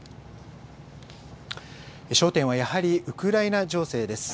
焦点はやはり、ウクライナ情勢です。